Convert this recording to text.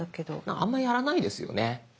あんまりやらないですよね。